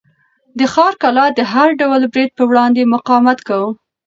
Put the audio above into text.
د ښار کلا د هر ډول برید په وړاندې مقاومت کاوه.